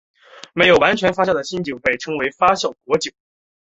没有完全发酵的新酒被称为发酵果酒。